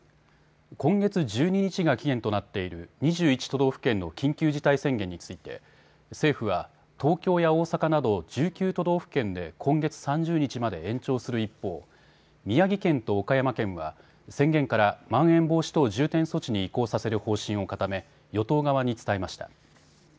今月１２日が期限となっている２１都道府県の緊急事態宣言について政府は東京や大阪など１９都道府県で今月３０日まで延長する一方、宮城県と岡山県は宣言からまん延防止等重点措置に移行させる方針を固め与党側に伝えました。